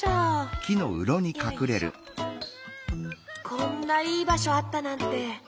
こんないいばしょあったなんて。